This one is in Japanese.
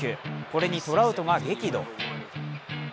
これに、トラウトが激怒。